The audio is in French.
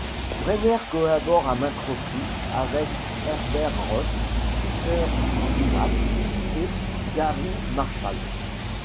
Brenner collabore à maintes reprises avec Herbert Ross, Peter Hymas et Gary Marshall.